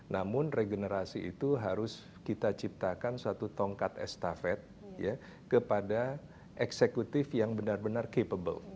namun regenerasi itu harus kita ciptakan suatu tongkat estafet kepada eksekutif yang benar benar capable